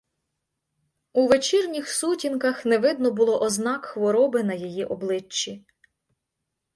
У вечірніх сутінках не видно було ознак хвороби на її обличчі.